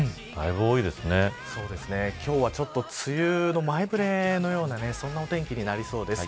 今日はちょっと梅雨の前触れのようなそんなお天気になりそうです。